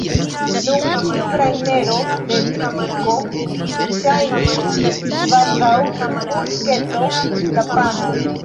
Nun ĉiu grajnero da tritiko ŝajnis kvazaŭ bulketo da pano.